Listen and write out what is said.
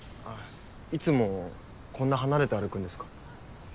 いつもこんな離れて歩くんですか？